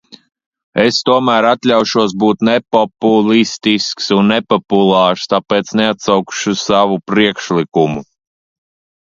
Es tomēr atļaušos būt nepopulistisks un nepopulārs, tāpēc neatsaukšu savu priekšlikumu.